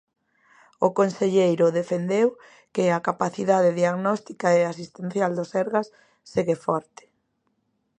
O conselleiro defendeu que a capacidade diagnóstica e asistencial do Sergas segue forte.